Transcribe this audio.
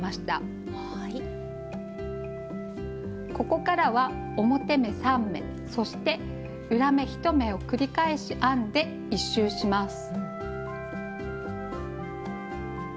ここからは表目３目そして裏目１目を繰り返し編んで１周します。